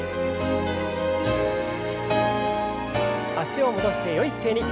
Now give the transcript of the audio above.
脚を戻してよい姿勢に。